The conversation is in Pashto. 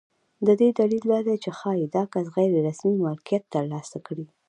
د دې دلیل دا دی چې ښایي دا کس غیر رسمي مالکیت ترلاسه کړي.